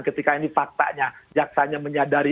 ketika ini faktanya jaksanya menyadari